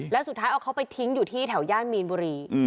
แล้วสุดท้ายเอาเขาไปทิ้งอยู่ที่แถวย่านมีนบุรี